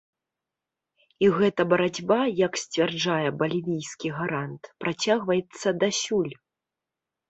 І гэта барацьба, як сцвярджае балівійскі гарант, працягваецца дасюль.